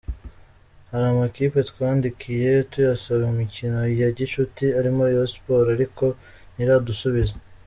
Hari amakipe twandikiye tuyasaba imikino ya gicuti arimo Rayon Sports ariko ntiradusubiza.